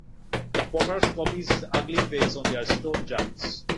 The potters copied his ugly face on their stone jugs.